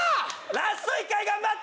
ラスト１回頑張って！